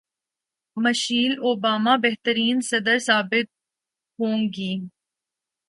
Michel Obama بہترین صدر ثابت ہوں گی